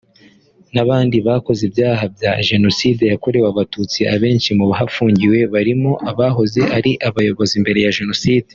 n’abandi bakoze ibyaha bya Jenocide yakorewe abatutsi abenshi mu bahafungiye barimo abahoze ari abayobozi mbere ya Jenoside